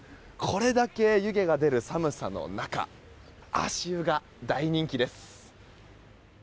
これだけ湯気が出る寒さの中足湯が大人気です。